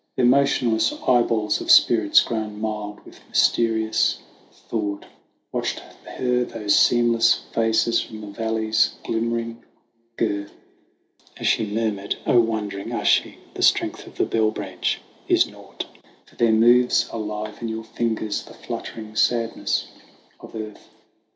Their motionless eyeballs of spirits grown mild with mysterious thought, Watched her those seamless faces from the valley's glimmering girth ; As she murmured, "0 wandering Oisin, the strength of the bell branch is naught, For there moves alive in your fingers the fluttering sadness of earth.